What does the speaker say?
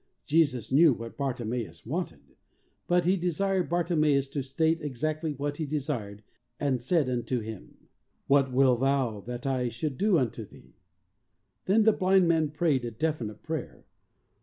Jesus knew what Bar timeus wanted, but He desired Bartimeus to state exactly what he desired, and said to him: "What wilt thou that I should do unto thee?" Then the blind man prayed a definite prayer.